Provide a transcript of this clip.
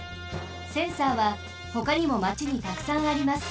センサーはほかにもまちにたくさんあります。